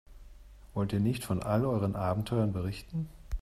Wollt ihr nicht von all euren Abenteuern berichten?